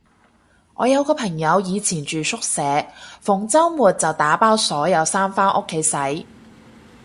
我有個朋友以前住宿舍，逢周末就打包所有衫返屋企洗